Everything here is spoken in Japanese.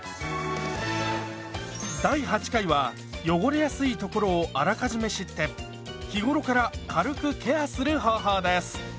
第８回は汚れやすい所をあらかじめ知って日頃から軽くケアする方法です。